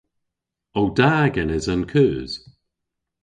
O da genes an keus?